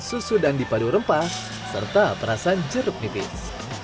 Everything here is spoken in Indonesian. susu dan dipadu rempah serta perasan jeruk nipis